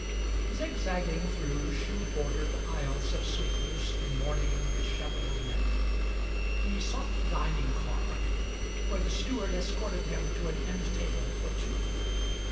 Zigzagging through shoe bordered aisles of sleepers in morning disheyelment, he sought the dining car, where the steward escorted him to an end table for two.